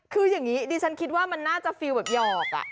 คืออย่างนี้ดิฉันคิดว่ามันน่าจะฟิลแบบหยอก